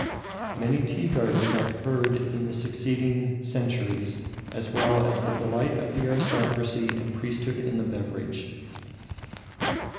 Many tea gardens are heard of in succeeding centuries, as well as the delight of the aristocracy and priesthood in the beverage.